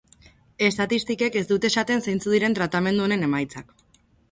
Estatistikek ez dute esaten zeintzuk diren tratamendu honen emaitzak.